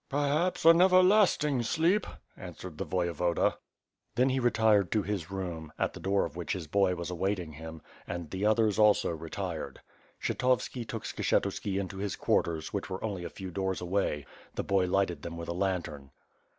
"Perhaps an everlasting sleep," answered the Voyevoda. Then he retired to his room, at the door of which his boy was awaiting him, and the others also retired. Kshetovski took Skshetuski into his Quarters, which were only a few doors away; the boy lightea them with a lantern.